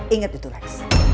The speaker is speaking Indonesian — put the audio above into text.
ingat itu lex